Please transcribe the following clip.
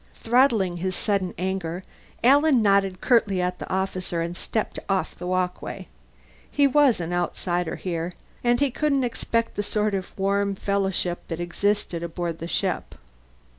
Throttling his sudden anger, Alan nodded curtly at the officer and stepped off the walkway. He was an outsider here, and knew he couldn't expect the sort of warm fellowship that existed aboard the ship.